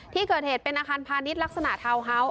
ที่เกิดเหตุเป็นอาคารพาณิชย์ลักษณะทาวน์เฮาส์